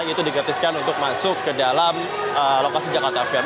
itu digratiskan untuk masuk ke dalam lokasi jakarta fair